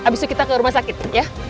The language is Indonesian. abis itu kita ke rumah sakit ya